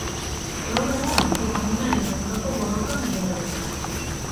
Gaur egun, dopinaren aurkako borrokan dihardu.